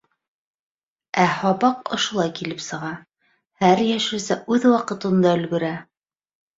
— Ә һабаҡ ошолай килеп сыға: һәр йәшелсә үҙ ваҡытында өлгөрә.